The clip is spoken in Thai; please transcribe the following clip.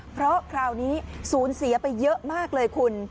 เพราะคราวนี้สูญเสียไปเยอะมากเลยคุณ